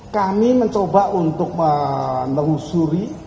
kami mencoba untuk menelusuri